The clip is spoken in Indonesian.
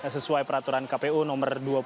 sesuai peraturan kpu nomor dua puluh